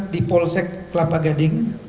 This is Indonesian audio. di polsek kelapa gading